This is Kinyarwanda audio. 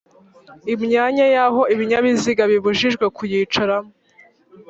Imyanya y’aho ibinyabiziga bibujijwe kuyicaramo